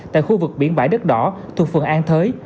tại khu vực biển bãi đất đỏ thuộc phường an thới